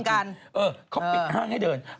เขาปิดห้างให้เดิน